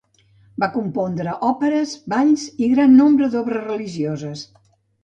Va compondre òperes, balls i gran nombre d'obres religioses.